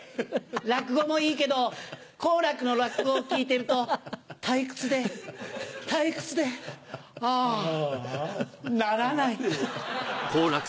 落語もいいけど好楽の落語を聞いてると退屈で退屈であぁならない」。